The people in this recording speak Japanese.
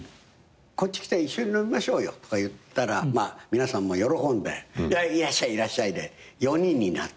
こっち来て一緒に飲みましょうよとか言ったら皆さんも喜んでいらっしゃいいらっしゃいで４人になって。